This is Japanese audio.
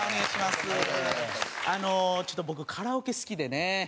あのちょっと僕カラオケ好きでね。